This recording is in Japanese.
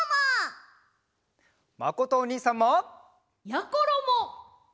まことおにいさんも！やころも！